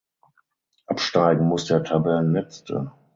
Absteigen muss der Tabellenletzte.